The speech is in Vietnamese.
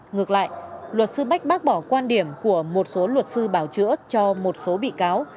ngược lại luật sư bách bác bỏ quan điểm của một số luật sư bảo chữa cho một số bị cáo